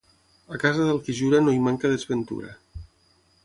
A casa del qui jura no hi manca desventura.